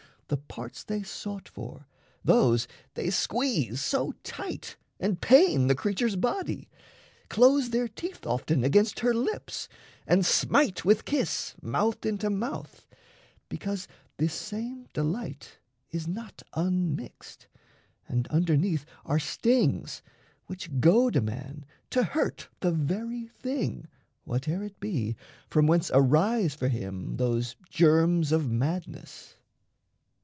The parts they sought for, those they squeeze so tight, And pain the creature's body, close their teeth Often against her lips, and smite with kiss Mouth into mouth, because this same delight Is not unmixed; and underneath are stings Which goad a man to hurt the very thing, Whate'er it be, from whence arise for him Those germs of madness.